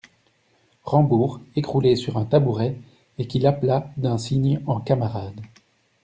Rambourg, écroulé sur un tabouret et qui l'appela d'un signe, en camarade.